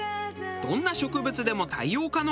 どんな植物でも対応可能。